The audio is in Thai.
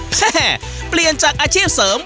เปลี่ยนจากอาชีพเสริม